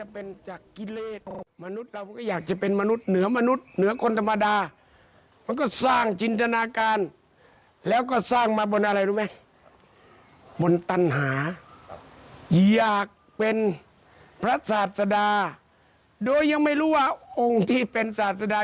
ประโยชน์ยังไม่รู้ว่าองค์ที่เป็นศาสนา